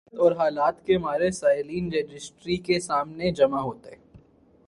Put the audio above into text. قسمت اور حالات کے مارے سائلین رجسٹری کے سامنے جمع ہوتے۔